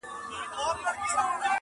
په لوی لاس ځان د بلا مخي ته سپر کړم!!